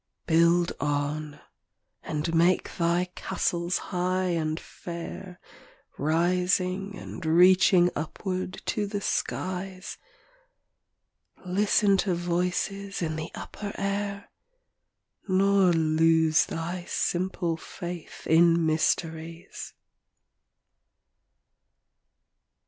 Build on, and make thy castles high and fair, Rising and reaching upward to the skies; Listen to voices in the upper air, Nor lose thy simple faith in mysteries.